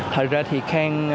thật ra thì khang